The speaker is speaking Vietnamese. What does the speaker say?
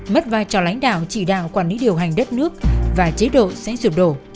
mất vai trò lãnh đạo chỉ đạo quản lý điều hành đất nước và chế độ sẽ sụp đổ